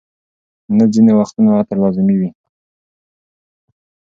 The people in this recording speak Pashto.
نه، ځینې وختونه عطر لازمي وي.